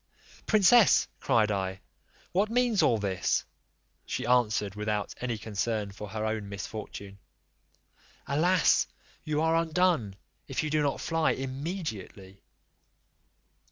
"Princess," cried I, "what means all this?" She answered, without any concern for her own misfortune, "Alas! you are undone, if you do not fly immediately."